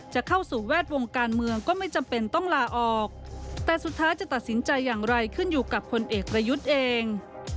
จะเข้าสู่แวดวงการเมืองก็ไม่จำเป็นต้องลาออกแต่สุดท้ายจะตัดสินใจอย่างไรขึ้นอยู่กับพลเอกประยุทธ์เอง